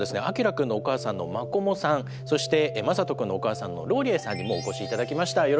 あきらくんのお母さんのマコモさんそしてまさとくんのお母さんのローリエさんにもお越し頂きました。